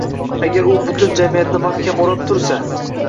Agar u butun jamiyatni mahkam o‘rab tursa